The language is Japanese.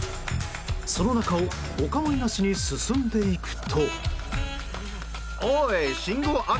その中をお構いなしに進んでいくと。